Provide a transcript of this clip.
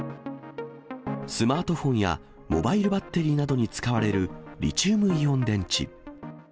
スマートフォンやモバイルバッテリーなどに使われるリチウムイオン電池。